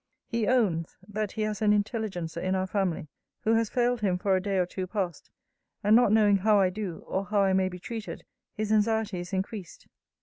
He owns, 'That he has an intelligencer in our family; who has failed him for a day or two past: and not knowing how I do, or how I may be treated, his anxiety is increased.'